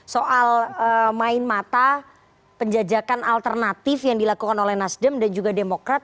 soal main mata penjajakan alternatif yang dilakukan oleh nasdem dan juga demokrat